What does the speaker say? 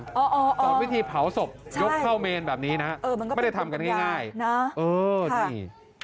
ตอนวิธีเผาศพยกเข้าเมนแบบนี้นะฮะไม่ได้ทำกันง่ายนะเออนี่